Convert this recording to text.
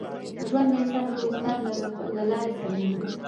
ژوند د انسان د وجدان له لارې سمېږي.